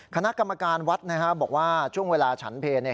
คณะกรรมการวัดนะฮะบอกว่าช่วงเวลาฉันเพเนี่ย